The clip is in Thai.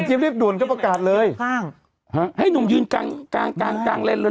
ไอ้เจ๊บเรียบด่วนเขาประกาศเลยข้างฮะให้หนุ่มยืนกางกางกางกางเล่นเลย